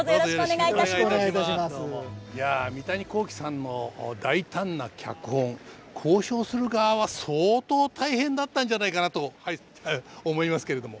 いや三谷幸喜さんの大胆な脚本考証する側は相当大変だったんじゃないかなと思いますけれども。